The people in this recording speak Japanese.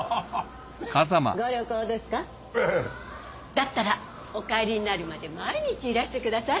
だったらお帰りになるまで毎日いらしてください。